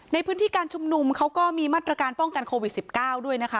ในพื้นที่การชุมนุมเขาก็มีมาตรการป้องกันโควิด๑๙ด้วยนะคะ